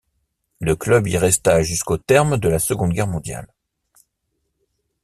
Le club y resta jusqu’au terme de la Seconde Guerre mondiale.